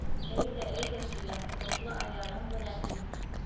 — Әйҙә, әйҙә, килен, ҡотло аяғың менән ин.